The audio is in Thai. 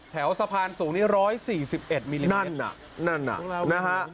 แถวสะพานศูนย์ร้อย๔๑มิลลิเมตร